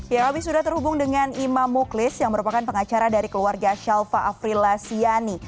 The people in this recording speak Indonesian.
ya kami sudah terhubung dengan imam muklis yang merupakan pengacara dari keluarga shalfa afrila siani